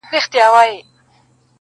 نه مي کوئ گراني، خو ستا لپاره کيږي ژوند.